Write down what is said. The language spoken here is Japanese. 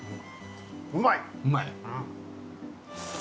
うまい！